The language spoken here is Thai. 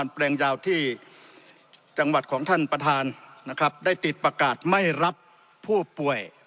แปลงยาวที่จังหวัดของท่านประธานนะครับได้ติดประกาศไม่รับผู้ป่วย